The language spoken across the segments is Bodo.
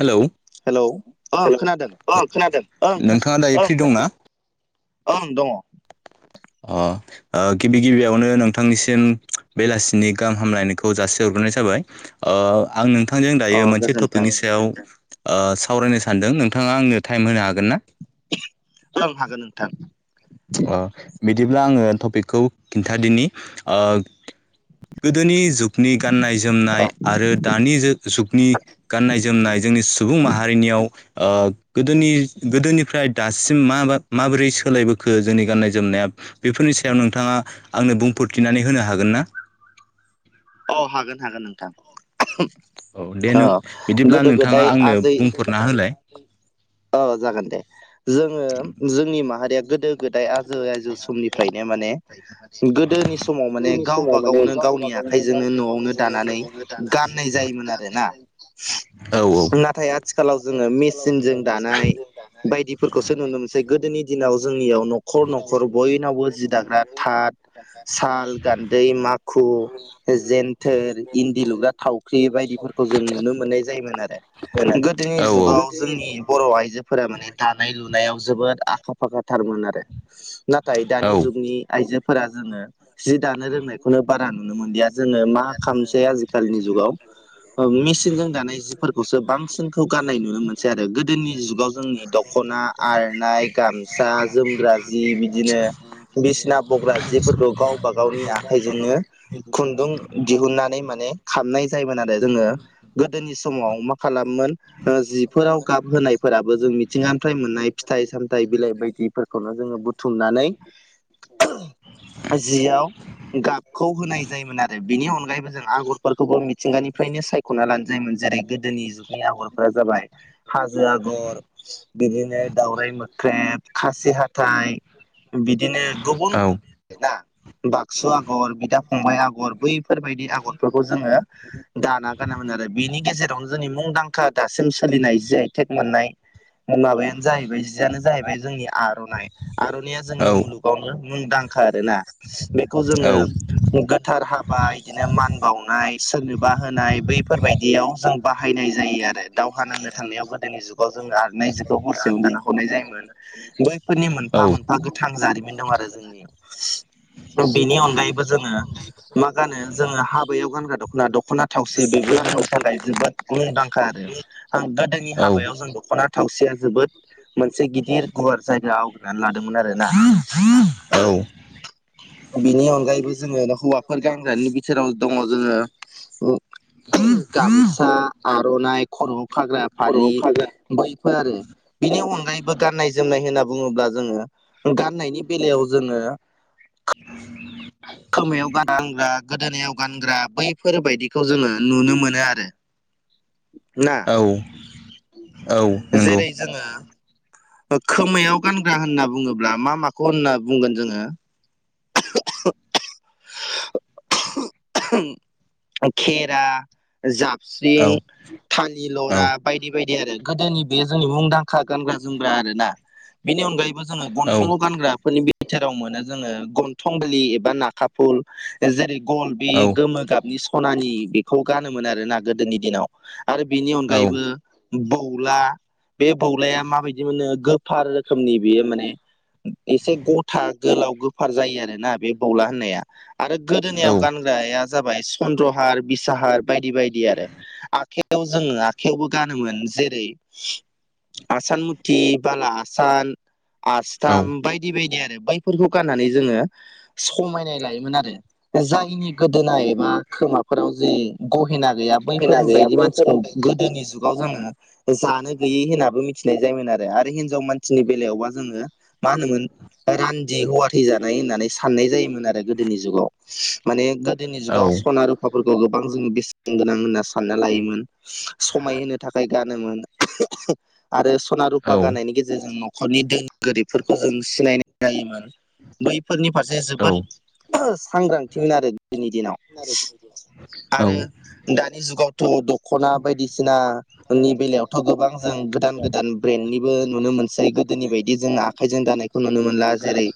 हेलौ हेलौ ओं हेल' खोनादों औ खोनादों ओं खोन नोंथाङा दायो फ्रि दंना? ओं दङ। अ ओ गिबि गिबियावनो नोंथांनिसिम बेलासिनि गाहाम हामलायनायखौ जासि हरग्रोनाय जाबाय। ओ आं नोंथांजों अ दायो मोनसे गोजोन्थों टपिकनि सायाव सावरायनो सानदों नोंथाङा आंनो टाइम होनो हागोन ना? हागोन नोंथां। बिदिब्ला आङो टपिकखौ खिन्थादनि ओ गोदोनि जुगनि गाननाय जोमनाय आरो दानि जुगनि गाननाय जोमनाय जोंनि सुबुं माहारिनियाव ओ गोदोनि गोदोनिफ्राय दासिम मा माबोरै सोलायबोखो जोंनि गाननाय जोमनाया बेफोरनि सायाव नोंथाङा आंनो बुंफोरथिनानै होनो हागोन ना? अ हागोन हागोन नोंथां। औ दे अ नों बिदिब्ला गोदो नोंथाङा गोदाय आंनो बुंहरना होलाय। औ जागोन दे। जोङो जोंनि माहारिया गोदो गोदाय आजो आजो समनिफ्रायनो माने माने गोदोनि समाव माने गोदोनि गावबा समाव माने गावनो गावबा गावनि गावनो आखाइजोंनो गावनि न'आवनो जो नुनो दानानै मोनो दानानै गाननाय जायोमोन गा आरोना [unintelligible] नाथाय आथिखालाव जोङो मेचनजों दानाय बाय फोरखौसो नुनो मोनसै गोदोनि दिनाव जोंनियाव न'खर न'खर बयनावबो जि दाग्रा थाद साल गान्दै माखु जेन्थोर इन्दि लुग्रा थाव फुख्रि बायदिफोरखौ जों नुनो मोननाय जायोमोन आरो गोदोनि औ जुगाव जोंनि बर' आइजोफोरा माने दानाय लुनायाव जोबोद आखा फाखाथारमोन आरो नाथाय औ दानि जुगनि आइजोफोरा जोङो जि दानो रोंनायखौनो बारा नु। ननो मोन जोङो मा खालामसै आजिखालिनि जुगाव मेचनजों दानाय जि। खौसो बांसिनखौ गाननाय नुनो मोनसै आरो गो। दोनि जुगाव जोंनि दख'ना आरना गामसा जोमग्रा जि बिदिनो। बिसिना बग्रा जेफोरखौ गावबा गावनि आखाइजोंनो खुन्दुं। दिहुननानै माने खामनाय जायोमोन आरो जोङो। गोदोनि समाव मा खालामोन ओ जिफोराव गाब होनायफोराबो जों मिथिङा। फ्राइ मोननाय फिथाइ सामथायाइ बिलाइ बायदिफोरखौनो जोङो बुथुमनानै। संनानै। जियाव। गाबखौ होनाय जायोमोन आरो बिनि अनगायैबो जों आगरफोरखौबो मिथिंगानिफ्रायनो स। खना लानो जायोमोन जेरै गोदोनि जुगनि आगरफोरा जाबाय हाजो आगर। बिदिनो दावरायाइ मोख्रेब खासि हाथाइ बिदिनो। गुबुन औ ना बाक्सु आगर बिदा फंबाय आगर बै। फोरबायदि आगरफोरखौ जोङो दाना गान मोनो आरो बिनि गेजेरावनो जोंनि मुंदांखा। खा दासिम सोलिनाय जि आइटेक मोननाय माबायानो जाहैबाय। बिनो जाहैबाय जोंनि आर'नाइ आर'नाइया जोंनि औ मुलुगावनो मुंदांखा आरोना बे। खौ औ जोङो। गोथार हाबा बिदिनो मान बावनाय सोरनोबा होनाय बैफोरबायदियाव जों। बाहायनाय जायो आरो दावहा नांनो। थांनायाव गोदोनि जुगाव जों आरनाय जुखौ हरसें दाना हरनाय जायोमोन बैफोरनि मोनफा मोन। आ गोथां जारिमिन दं आरो जोंनि। [unintelligible] बेनि अनगायैबो जोङो। मा गानो जोङो हाबायाव गानग्रा दख'ना दख'ना थावसि बेबो जोंनि थाखाय जोबोद मुंदांखा आरो। ओं गोदोनि हाबायाव जों दख'ना थावसिया जोबोद। मोनसे गिदिर गुवार जायगा आवग्रिनानै लादोंमोन आरो ना। औ बिनि अनगायैबो जोङो हौवाफोर गानग्रानि बिथोराव दङ जोङो। गामसा आर'नाइ खरआव खाग्रा फालि। बैफोर आरो बिनि अनगायैबो गाननाय जोमनाय होनना बुङोब्ला जोङो। गाननायनि बेलायाव जोङो। [unintelligible] खोमायाव गारां ग्रा। गोदोनायाव गानग्रा बैफोरबायायदिखौ जोङो नुनो मोनो आरो ना। ओ। जेरै जोङो। खोमायाव गानग्रा होनना बुङोब्ला मा माखौ होनना बुंगोन जोङो। [unintelligible] ओ खेरा। औ जाबस्रिं थालि औ लरा। बायदि बायदि आरो गोदोनि बे जोंनि मुंदांखा गानग्रा जोमग्रा आरो ना। बेनि अनगायैबो जोङो औ गन्थंङाव गानग्राफोरनि। बिथोराव मोनो जोङो गन्थं गलि एबा नाखा फुल। ओ जेरै गल बे औ गोमो गाबनि सनानि बेखौ गानोमोन आरोना गोदोनि दिनाव। आरो बेनि अनगायैबो बौला बे बौलाया माबायदि। बिदि मोननो गोफार रोखोमनि बेयो माने। एसे गथा गोलाव गोफार जायो आरोना बे बौला होननाया। आरो गोदोनायाव गानग्राया जाबाय चन्द्रहार बिसाहार बायदि बायदि आरो आ। जोङो आखाइयावबो गानोमोन जेरै आसान थि बाला आसान औ आस्ताम बायदि बायदि आरो बै फोरखौ गाननानै जोङो समायनाय लायोमोन आरो जायनि गोदोनाय एबा खोमाफोराव जे गहेना गैया बैफोरबायायदि मानसिखौ गोदोनि जुगाव जोङो जानो गैयै होनाबो मिथिनाय जायोमोन आरो। आरो हिनजाव मानसिनि बेलायावबा जोङो मा होनोमोन रान्दि हौवा थैजानाय होननानै साननाय जायोमोन आरो गोदोनि जुगाव माने गोदोनि औ जुगाव सना रुफाफोरखौ गोबां जोङो बेसेन गोनां होनना सानना लायोमोन समाय होनोनो थाखाय गानोमोन आरो सनारु औ खफा गानायनि गेजेरजों न'खरनि दों गोरिबफोरखौ जों सिनाय जायोमोन बैफोरनि फारसे औ जोबोद सांग्रांथिमोन आरो गोदोनि दिनाव आरो आरो दानि जुगावथ' दख'ना बायदिसिनानि बेलायावथ' गोबां जों गोदान गोदान ब्रेन्ड निबो नुनो मोनसै गोदोनि बायदि जों आखाइजों दानायखौ नुनो मोनला जेरै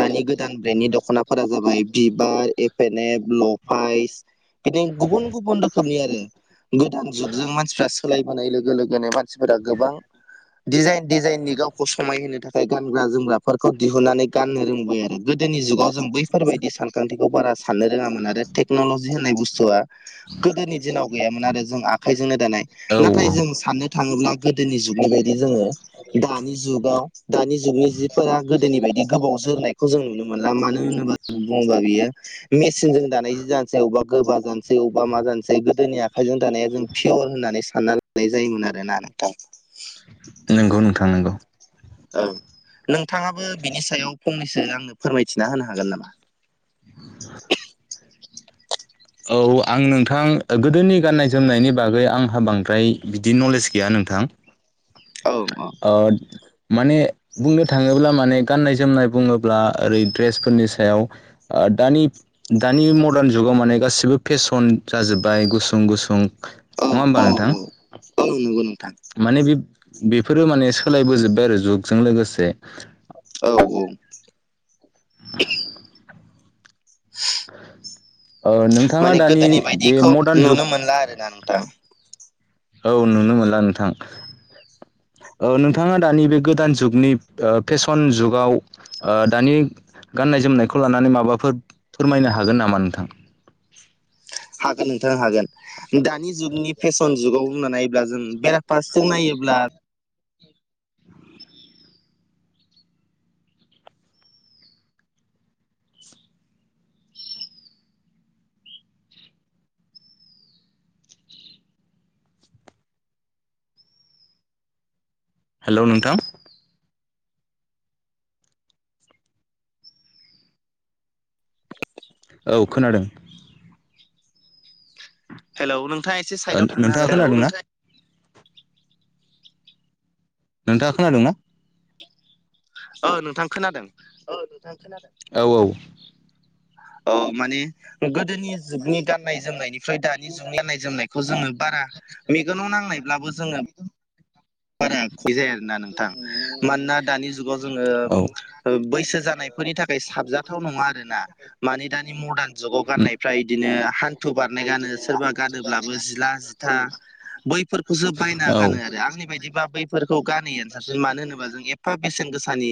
दानि गोदान ब्रेन्डनि दख'नाफोरा जाबाय बिबार एफ एन एफ लफाइस बिदि गुबुन गुबुन रोखोमनि आरो गोदान जुगजों मानसिफ्रा सोलायबोनाय लोगो लोगोनो मानसिफोरा गोबां डिजाइन डिजाइननि गावखौ समायहोनो थाखाय गानग्रा जोमग्राफोरखौ दिहुननानै गाननो रोंबाय आरो गोदोनि जुगाव जों बैफोरबायदि सानखान्थिखौ बारा साननो रोङामोन आरो टेक्न'लजि होननाय बुस्थुआ गोदोनि दिनाव गैयामोन आरो जों आ आखाइजोंनो दानाय नाथाय औ जों साननो थाङोब्ला गोदोनि जुगनि बायदि जोङो दानि जुगाव दानि जुगनि जिफोरा गोदोनि बायदि गोबाव जोरनायखौ जों नुनो मोनला मानो होनोबा गंगा बियो मेसिनजों दानाय जि जानोसै अबेबा गोबा जानोसै अबेबा मा जानोसै गोदोनि आखाइजों दानाया जों पियर होननानै सानना लानाय जायोमोन आरोना नोंथां। गुबुन खांनांगौ औ नोंथाङाबो बिनि सायाव फंनैसो आंनो फोरमायथिना होनो हागोन नामा? [inaudible] औ आं नोंथां गोदोनि गाननाय जोमनायनि बागै आंहा बांद्राय बिदि नलेज गैया नोंथां। औ औ। ओद माने बुंनो थाङोब्ला माने गाननाय जोमनाय बुङोब्ला ओरै ड्रेसफोरनि सायाव ओ दानि दानि मदार्न जुगाव माने गासिबो फेसन जाजोब्बाय गुसुं गुसुं औ नङा होमबा औ नोंथां? औ औ नंगौ नोंथां माने बेब बेफोरो माने सोलायबोजोब्बाय आरो जुगजों लोगोसे औ औ। ओ नोंथाङा माने दानि गोदोनि बे बायदिखौ मदार्न जुग नुनो मोनला आरोना नोंथां औ नुनो मोनला नोंथां। ओ नोंथाङा दानि बे गोदान जुगनि फेसन जुगाव ओ दानि गाननाय जोमनायखौ लानानै माबाफोर फोरमायनो हागोन नामा नोंथां? हागोन नोंथां हागोन। दानि जुगनि फेसन जुगाव बुंना नायोब्ला जों बेराफारसेथिं नायोब्ला हेल' नोंथां। औ खोनादों। हेल' नोंथाङ एसे ओ साइडआव थांनो नोंथाङा हागोन नामा? खोनादोंना नोंथाङा खोनादों ना? औ नोंथां खोनादों। औ औ। ओं माने गोदोनि जुगनि गाननाय जोमनायनिफ्राय दानि जुगनि गाननाय जोमनायखौ जोङो बारा मेगनाव नांनायब्लाबो जोङो बारा खयजाया आरोना नोंथां। मानोना दानि जुगाव जोङो औ ओ बैसो जानायफोरनि थाखाय साबजाथाव नङा आरो ना। मानि दानि मरदान जुगाव गाननायफ्रा बिदिनो हान थु बारनाय गानो सोरबा गानोब्लाबो जिला जि था बैफोरखौसो बायना औ गानो आरो। आंनि बायद बा बैफोरखौ गाननियानो साबसिन मानो होनोबा जों एफा बेसेन गोसानि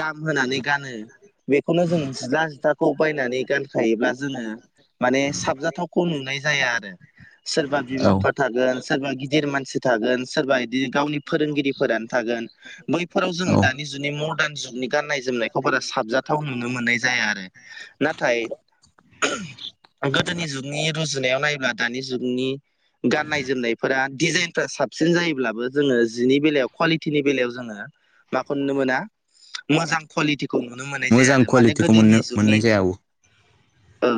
दाम होनानै गानो। बेखौनो जोङो जिला जिथाखौ बायनानै गानखायोब्ला जोङो माने साबजाथावखौ नुनाय जाया आरो। सोरबा औ बिमा बिफा थागोन सोरबा गिदिर मानसि थागोन सोरबा दि गावनि फोरोंगिरिफोरानो थागोन। बैफोराव जोङो औ दानि जुगनि मदान जुगनि गाननाय जोमनायखौ बारा साबजाथाव नुनो मोननाय जाया आरो। नाथाय गोदोनि जुगनि रुजुनायाव नायब्ला दानि जुगनि गाननाय जोमनायफोरा दिजारनफोरा साबसिन जायोब्ला बो जोङो जिनि बेलायाव कुवालिटिनि बेलायाव जोङो माखौ नुनो मोना मोजां कुवालिटिखौ नुनो मोननाय जाया मोजां आरो। माने कुवालिटिखौ गोदोनि मोननो जुगनि मोननाय [inaudible] औ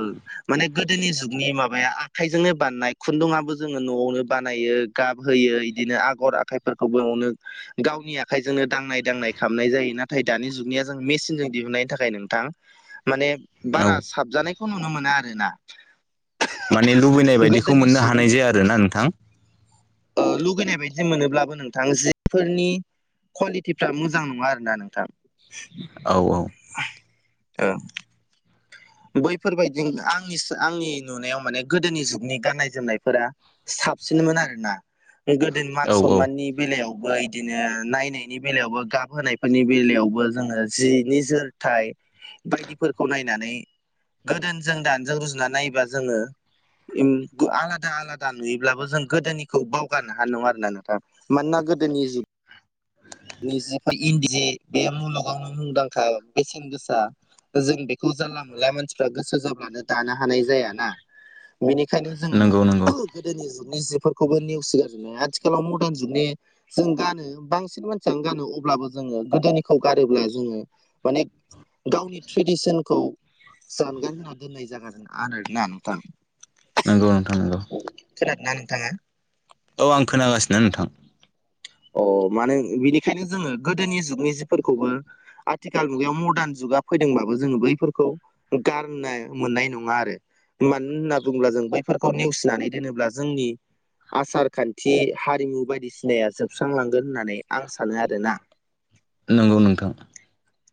माने गोदोनि जुगनि माबाया आखाइजोंनो बानायनाय खुन्दुुंबो जोङो न'आवनो बानायो। गाब होयो इदिनो आगर आखायफोरखौबो न'नो गावनि आखायजोंनो दांनाय दांनाय खामनाय जायो। नाथाय दानि जुगनिया जों मेसिनजों दिहुननायनि थाखाय नोंथां माने बारा औ साबजानायखौ नुनो मोना आरो ना। माने लुबैनाय बायदिखौ मोननो हानाय जाया आरोना नोंथां। ओ लुगैनाय बाय जों मोनोब्लाबो नोंथां जिफोरनि कुवालिटिफ्रा मोजां नङा आरो ना नोंथां। औ औ ओ बैफोरबायदि आंनिस आंनि नुनायाव माने गोदोनि जुगनि गाननाय जोमनायफोरा। साबसिनमोन आरो ना गोदो मान औ औ सनमाननि बेलायावबो इदिनो नायनायनि बेलायावबो गाब होनायफोरनि बेलायावबो जोङो जि निजोर थाय बायदिफोरखौ नायनानै गोदोनि जों दानिजों रुजुनानै नायोबा जोङो। आलादा आलादा नुयोब्लाबो जों गोदोनिखौ बावगारनो हानाय नङा आरो ना नों थां मानोना गोदोनि जुग निजि [unintelligible] इन्दिनि बे मुलुगावनो मुंदांखा बेसेन गोसा जों बेखौ जानला मोनला मानसिफ्रा गोसो जाब्लानो दानो हानाय जायाना। बेनिखायनो जोङो नंगौ नंगौ गोदोनि जुगनि जिफोरखौबो नेवसिगारजोबनाया आथिखालाव मदान जुगनि जों गानो बांसिन मान सियानो गानो अब्लाबो जोङो गोदोनिखौ गारोब्ला जोङो माने गावनि ट्रेडिसोनखौ जानगार होना दोननाय जागोन आरोना नोंथां। नोंगौ नोंथां नोंगौ। खोनादोंना नोंथाङा औ आं खोनागासिनो नोंथां। अ' मानो बिनिखायनो जोङो गोदोनि जुगनि जिफोरखौबो आथिखाल मुगायाव मदान जुगा फैदोंबाबो जोङो बैफोरखौ गारना मोननाय नङा आरो। मानो होनना बुङोब्ला जों बैफोरखौ नेवसिनानै दोनोब्ला जोंनि आसार खान्थि हारिमु बायदिसिनाया जो स्रांलांगोन होननानै आं सानो आरो ना। नंगौ नोंथां।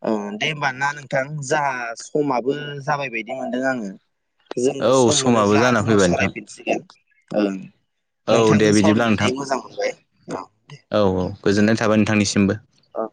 औ दे होमबा ना नोंथां जा समाबो जाबाय बायदि मोनदों आङो। जोङो औ सम समाबो मोनोब्ला जाना उनाव फैबाय नोंथां सरायफिन। गोन औ दे नोंथांजों बिदिब्ला नोंथां सावरायनानै मोजां मोनबाय औ। दे औ औ गोजोननाय थाबाय नोंथांनिसिमबो। औे